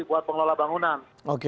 buat pengelola bangunan